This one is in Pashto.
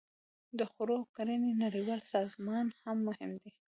د خوړو او کرنې نړیوال سازمان هم مهم دی